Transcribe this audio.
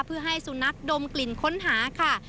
เพื่อให้สุนัขดมกลิ่นค้นหาค่ะ